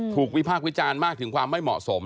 วิพากษ์วิจารณ์มากถึงความไม่เหมาะสม